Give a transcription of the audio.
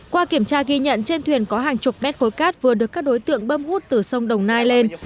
qua kiểm tra ghi nhận trên thuyền có hàng chục mét khối cát vừa được các đối tượng bơm hút từ sông đồng nai lên